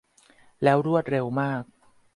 แล้วรวดเร็วมาก